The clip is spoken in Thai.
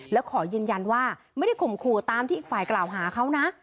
แล้วขอยืนยันว่าไม่ได้ข่มขู่ตามที่อีกฝ่ายกล่าวหาเขานะ